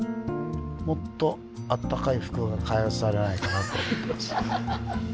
もっとあったかい服が開発されないかなと思ってます。